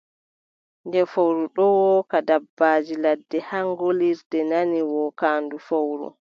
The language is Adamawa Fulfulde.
Nde fowru ɗon wooka, dabbaaji ladde haa ngoolirde nani wookaandu fowru.